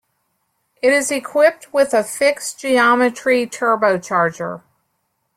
It is equipped with a fixed-geometry turbocharger.